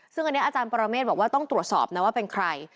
ซึ่งอันนี้อาจารย์ปรเมฆบอกว่าต้องตรวจสอบนะว่าเป็นใคร